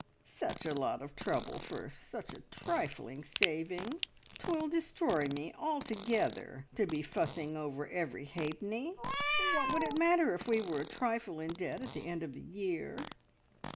"Such a lot of trouble for such a trifling saving! 'Twill destroy me altogether to be fussing over every halfpenny. What would it matter if we were a trifle in debt at the end of the year?